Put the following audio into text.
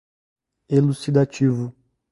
elucidativo